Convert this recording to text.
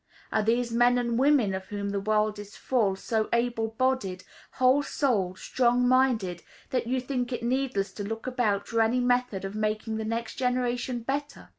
Are these men and women, of whom the world is full, so able bodied, whole souled, strong minded, that you think it needless to look about for any method of making the next generation better?